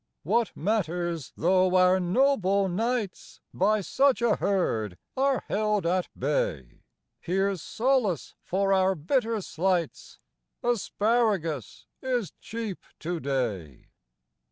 What matters though our noble knights By such a lierd are held at bay ! Here 's solace for our bitter slights :" Asparagus is cheap to day."